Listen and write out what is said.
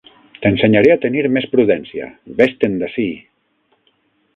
T'ensenyaré a tenir més prudència! Vés-te'n d'ací!